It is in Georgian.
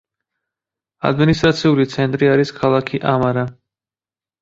ადმინისტრაციული ცენტრი არის ქალაქი ამარა.